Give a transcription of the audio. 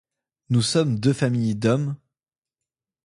Nous sommes deux familles d’hommes :